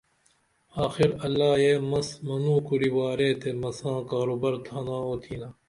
آخر اللہ یہ مس منو کُری وارے تے مساں کاروبر تھانا اُوتھینا